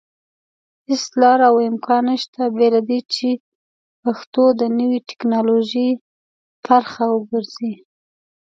هيڅ لاره او امکان نشته بېله دې چې پښتو د نوي ټيکنالوژي پرخه وګرځي